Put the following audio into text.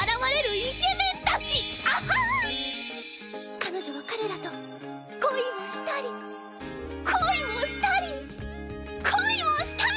彼女は彼らと恋をしたり恋をしたり恋をしたり！